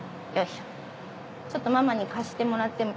ちょっとママに貸してもらっても。